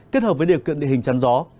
kết hợp với điều kiện địa hình chăn gió